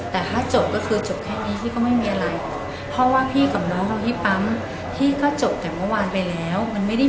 แต่ถ้าจบก็คือจบแค่นี้พี่ก็ไม่มีอะไรเพราะว่าพี่กับน้องเขาที่ปั๊มพี่ก็จบแต่เมื่อวานไปแล้วมันไม่ได้